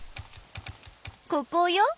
ここよ！